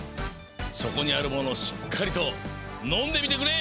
そこにあるものをしっかりとのんでみてくれ！